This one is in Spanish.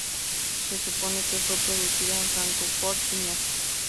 Se supone que fue producida en Francfort-Nied.